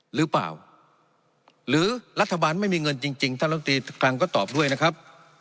หรือเปล่าหรือรัฐบาลไม่มีเงินจริงท่านรัฐตรีคลังก็ตอบด้วยนะครับ